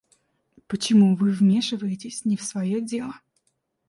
Почему вы вмешиваетесь не в своё дело?